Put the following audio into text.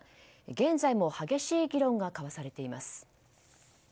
現在も激しい議論が交わされています。